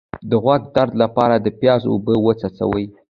د غوږ درد لپاره د پیاز اوبه وڅڅوئ